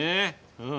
うん。